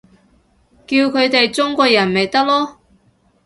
叫佢哋中國人咪得囉